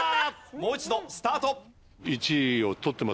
もう一度スタート。